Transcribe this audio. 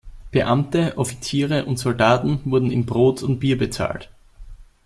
Beamte, Offiziere und Soldaten wurden in Brot und Bier bezahlt.